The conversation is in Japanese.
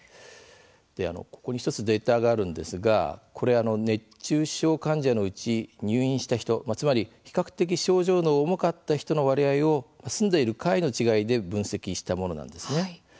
ここに１つデータがあるんですがこれ熱中症患者のうち入院した人、つまり比較的症状の重かった人の割合を住んでいる階の違いで分析したものなんですね。